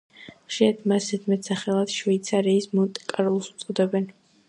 ხშირად მას ზედმეტსახელად „შვეიცარიის მონტე-კარლოს“ უწოდებენ.